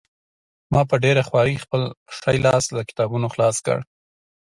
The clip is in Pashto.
ما په ډېره خوارۍ خپل ښی لاس له کتابونو خلاص کړ